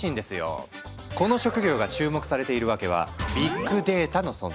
この職業が注目されているわけはビッグデータの存在。